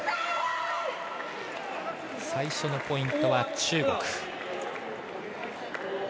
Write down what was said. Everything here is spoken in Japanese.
最初のポイントは中国。